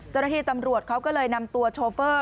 จนที่ตำรวจเขาก็เลยนำตัวชอฟเฟอร์